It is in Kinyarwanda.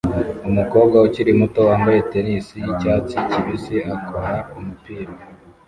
Umukobwa ukiri muto wambaye tennis yicyatsi kibisi akorera umupira